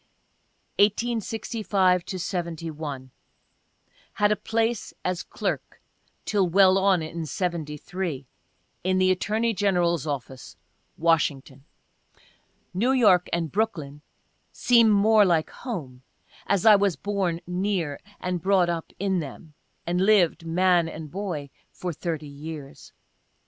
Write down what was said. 1865 to '71. — Had a place as clerk (till well on in '73) in the Attorney General's Office, Washington. (New York and Brooklyn seem more like home, as I was born near, and brought up in them, and lived, man and boy, for 30 years.